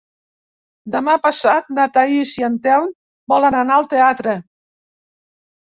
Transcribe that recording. Demà passat na Thaís i en Telm volen anar al teatre.